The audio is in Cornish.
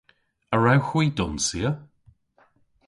A wrewgh hwi donsya?